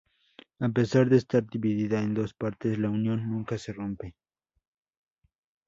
A pesar de estar dividida en dos partes, la unión nunca se rompe.